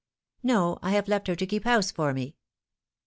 " No, I have left her to keep house for me."